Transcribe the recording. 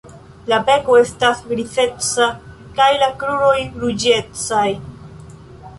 La beko estas grizeca kaj la kruroj ruĝecaj.